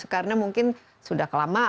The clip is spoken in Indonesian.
karena mungkin sudah kelamaan